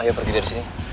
ayo pergi dari sini